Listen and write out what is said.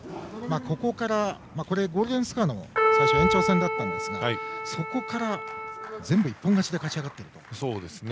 ここからゴールデンスコアの延長戦だったんですがそこから全部一本勝ちで勝ち上がっている。